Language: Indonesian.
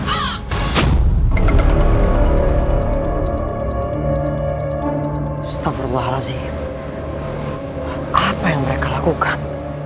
astagfirullahalazim apa yang mereka lakukan